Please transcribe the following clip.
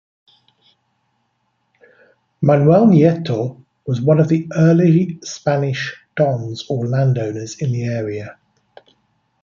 Manuel Nieto was one of the early Spanish dons or landowners in the area.